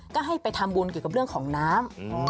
ก็ให้ไปทำบุญเกี่ยวกับเรื่องของน้ำ